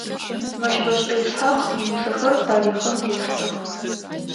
Мэщбэшӏэ Исхьакъ иусэхэр тарихъым дештэх.